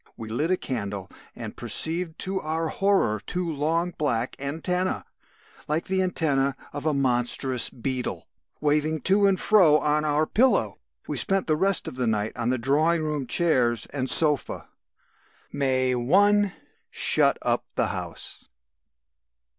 We lit a candle and perceived to our horror two long black antennæ (like the antennæ of a monstrous beetle) waving to and fro on our pillow. "We spent the rest of the night on the drawing room chairs and sofa. "May 1. Shut up the house."